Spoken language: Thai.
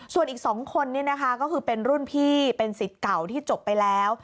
ส่วนอีก๒คนนี่นะคะก็คือเป็นรุ่นพี่เป็นสิทธิ์เก่าที่จบไปแล้ว